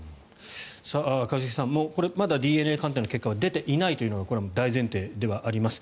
一茂さんまだＤＮＡ鑑定の結果が出ていないというのがこれは大前提ではあります。